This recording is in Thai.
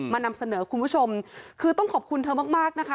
นำเสนอคุณผู้ชมคือต้องขอบคุณเธอมากมากนะคะ